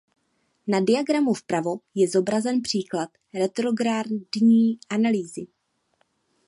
Na diagramu vpravo je zobrazen příklad retrográdní analýzy.